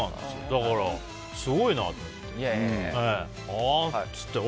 だからすごいなと思って。